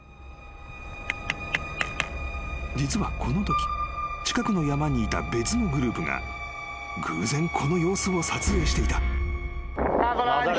［実はこのとき近くの山にいた別のグループが偶然この様子を撮影していた］